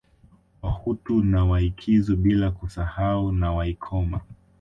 Wahutu na Waikizu bila kusahau na Waikoma